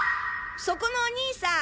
そこのお兄さん！